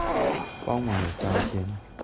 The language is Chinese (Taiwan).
幫忙了三天